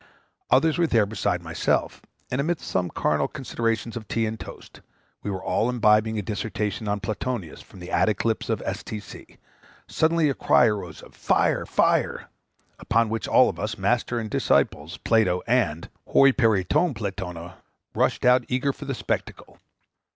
Others were there besides myself; and amidst some carnal considerations of tea and toast, we were all imbibing a dissertation on Plotinus from the attic lips of S.T.C. Suddenly a cry arose of "Fire fire!" upon which all of us, master and disciples, Plato and [Greek: hoi peri ton Platona], rushed out, eager for the spectacle.